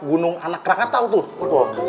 gunung anak rangatau tuh